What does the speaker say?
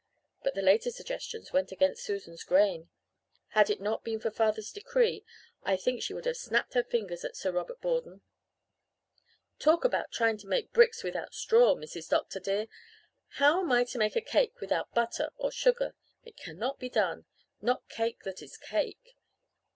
"But the later suggestions went against Susan's grain. Had it not been for father's decree I think she would have snapped her fingers at Sir Robert Borden. "'Talk about trying to make bricks without straw, Mrs. Dr. dear! How am I to make a cake without butter or sugar? It cannot be done not cake that is cake.